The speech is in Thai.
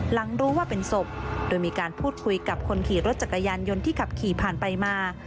หลังรู้ว่าเป็นศพโดยมีการพูดคุยกับคนขี่รถจักรยานยนต์ที่ขับขี่ผ่านไปมา